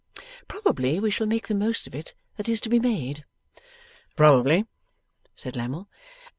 Probably we shall make the most of it that is to be made.' 'Probably,' said Lammle.